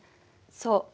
そう。